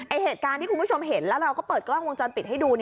เหตุการณ์ที่คุณผู้ชมเห็นแล้วเราก็เปิดกล้องวงจรปิดให้ดู